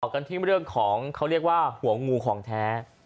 กันที่เรื่องของเขาเรียกว่าหัวงูของแท้